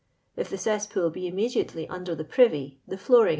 If the cess pool bo immediately under the privy, tlie floor ing, kc.